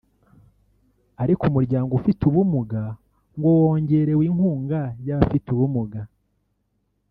ariko umuryango ufite ubumuga ngo wongerewe inkunga y’abafite ubumuga